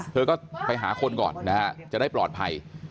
เธอก็ไปหาคนก่อนนะฮะจะได้ปลอดภัย